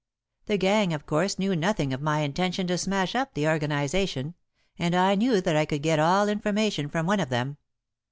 The gang of course know nothing of my intention to smash up the organization, and I knew that I could get all information from one of them.